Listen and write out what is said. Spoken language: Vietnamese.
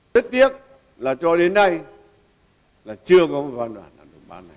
tất tiếc là cho đến nay là chưa có một văn bản làm được bán này